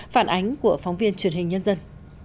phản ánh của phóng viên truyền hình nhân dân